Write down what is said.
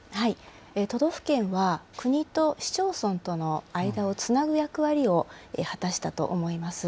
都道府県は国と市町村との間をつなぐ役割を果たしたと思います。